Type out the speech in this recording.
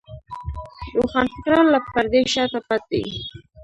روښانفکران له پردې شاته پټ دي.